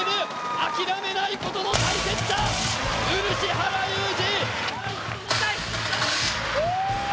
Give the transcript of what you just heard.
諦めないことの大切さ、漆原裕治。